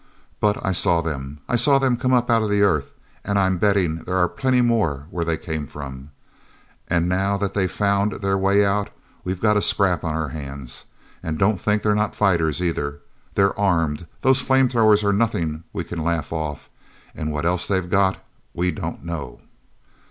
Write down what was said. "But I saw them—I saw them come up out of the earth, and I'm betting there are plenty more where they came from. And now that they've found their way out, we've got a scrap on our hands. And don't think they're not fighters, either. They're armed—those flame throwers are nothing we can laugh off, and what else they've got, we don't know."